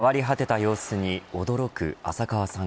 変わり果てた様子に驚く浅川さん